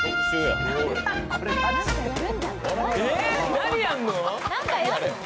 何やんの？